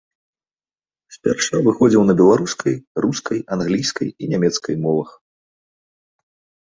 Спярша выходзіў на беларускай, рускай, англійскай і нямецкай мовах.